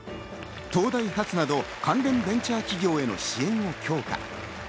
東大発など関連ベンチャー企業への支援を強化。